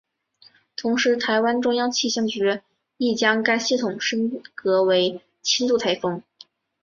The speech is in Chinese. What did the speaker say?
同时台湾中央气象局亦将该系统升格为轻度台风。